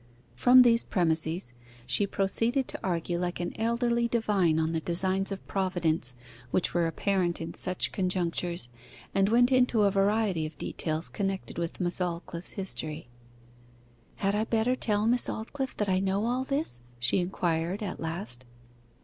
From these premises, she proceeded to argue like an elderly divine on the designs of Providence which were apparent in such conjunctures, and went into a variety of details connected with Miss Aldclyffe's history. 'Had I better tell Miss Aldclyffe that I know all this?' she inquired at last.